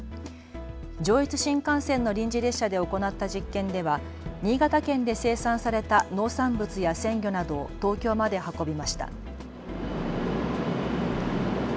上越新幹線の臨時列車で行った実験では新潟県で生産された農産物や鮮魚などを東京まで運びました。